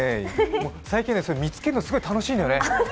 最近ね、見つけるのすごい楽しいのよね。